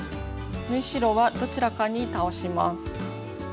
縫い代はどちらかに倒します。